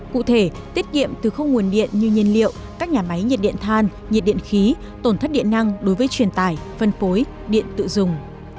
cụ thể tiết kiệm từ không nguồn điện như nhiên liệu các nhà máy nhiệt điện than nhiệt điện khí tổn thất điện năng đối với truyền tải phân phối điện tự dùng